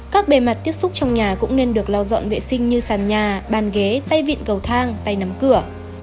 các bề mặt tiếp xúc trong nhà cũng nên được lau dọn vệ sinh như sàn nhà bàn ghế tay vịn cầu thang tay nắm cửa